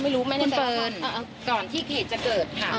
ไม่รู้ไม่ได้แสดงค่ะอ่าอ่าก่อนที่เกษตรจะเกิดค่ะอ่า